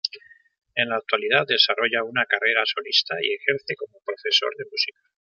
En la actualidad, desarrolla una carrera solista y ejerce como profesor de música.